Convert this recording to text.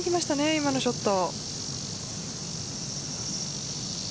今のショット。